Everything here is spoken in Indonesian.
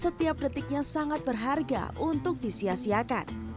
setiap detiknya sangat berharga untuk disiasiakan